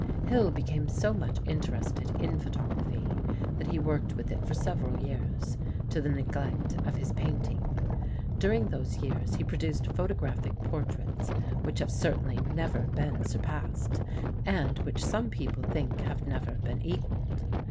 Hill became so much interested in photography that he worked with it for several years, to the neglect of his painting. During those years he produced photographic portraits which have certainly never been surpassed, and which some people think have never been equalled.